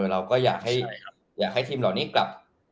เราก็อยากให้ทีมเหล่านี้กลับ